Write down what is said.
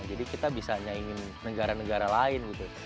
nggak ada negara negara lain gitu